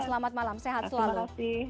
selamat malam sehat selalu